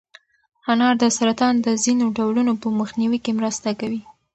انار د سرطان د ځینو ډولونو په مخنیوي کې مرسته کوي.